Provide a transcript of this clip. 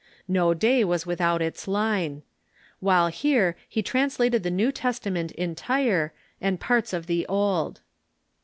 No day was without its line. While here he translated the New Testament entire, and parts of the Old.